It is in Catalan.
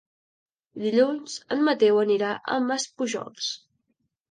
Dilluns en Mateu anirà a Maspujols.